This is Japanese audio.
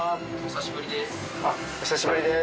お久しぶりです。